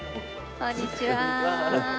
こんにちは。